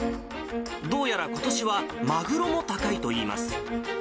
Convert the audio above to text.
どうやらことしはマグロも高いといいます。